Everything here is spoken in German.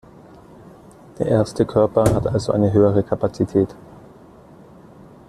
Der erste Körper hat also eine höhere Kapazität.